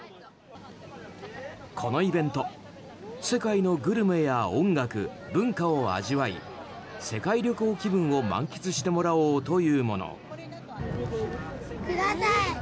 このイベント、世界のグルメや音楽、文化を味わい世界旅行気分を満喫してもらおうというもの。